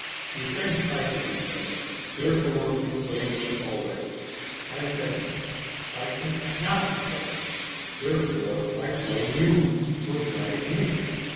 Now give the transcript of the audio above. You think I could do better; therefore you blame me already. I think I could not do better j therefore I blame you for blaming me.